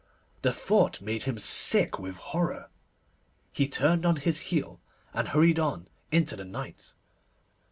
The thought made him sick with horror. He turned on his heel, and hurried on into the night.